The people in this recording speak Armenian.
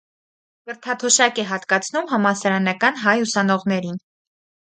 Կրթաթոշակ է հատկացնում համալսարանական հայ ուսանողներին։